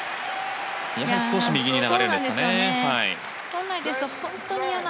やはり少し右に流れますかね。